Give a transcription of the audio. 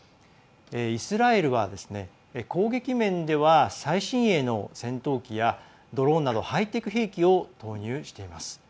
イスラエルは攻撃面では最新鋭の戦闘機やドローンなどハイテク兵器を投入しています。